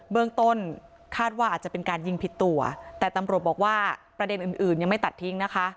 เบื้องต้นคาดว่าอาจจะเป็นการยิงผิดตัวแต่ตำรวจบอกว่าประเด็นอื่นยังไม่ตัดทิ้งนะคะ